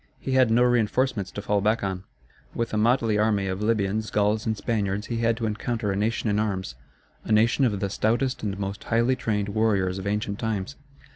He had no reinforcements to fall back on. With a motley army of Libyans, Gauls, and Spaniards he had to encounter a nation in arms a nation of the stoutest and most highly trained warriors of ancient times.